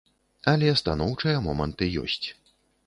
Але станоўчыя моманты ёсць.